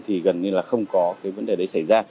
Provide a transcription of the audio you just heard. thì gần như là không có cái vấn đề đấy xảy ra